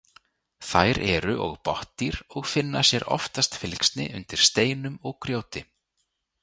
Þær eru og botndýr og finna sér oftast fylgsni undir steinum og grjóti.